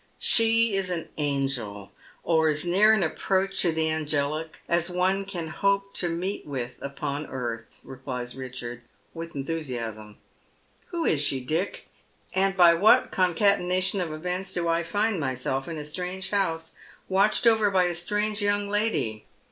" She is an angel, or as near an approach to the angelic as one can hope to meet with upon earth," replies Eichard, with enthusiasm. " Who is she, Dick ? and by what concatenation of events do I find myself in a strange house, watched over by a strange young lady